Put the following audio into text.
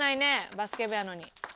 バスケ部やのに。